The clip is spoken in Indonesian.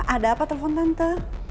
ada apa telepon tante